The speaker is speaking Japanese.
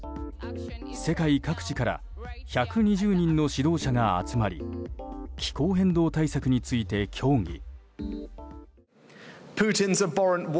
世界各地から１２０人の指導者が集まり気候変動対策について協議。